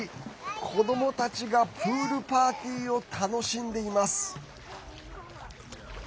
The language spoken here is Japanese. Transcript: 子どもたちがプールパーティーを楽しんでいます。